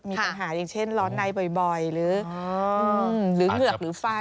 มีปัญหาอย่างเช่นร้อนในบ่อยหรือเหงือกหรือไฟ